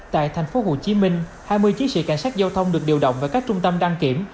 tại tp hcm hai mươi chiến sĩ cảnh sát giao thông được điều động về các trung tâm đăng kiểm